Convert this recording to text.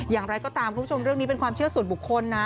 อย่างไรก็ตามคุณผู้ชมเรื่องนี้เป็นความเชื่อส่วนบุคคลนะ